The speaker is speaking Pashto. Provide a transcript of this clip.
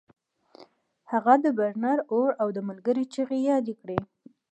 هغه د برنر اور او د ملګري چیغې یادې کړې